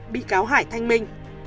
bị cáo hải thanh minh